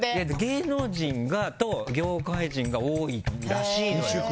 芸能人と業界人が多いらしいのよ。